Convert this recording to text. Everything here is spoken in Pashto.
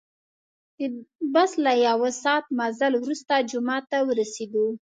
د بس له یو ساعت مزل وروسته جومات ته ورسیدو.